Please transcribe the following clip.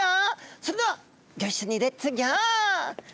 それではギョいっしょにレッツギョー！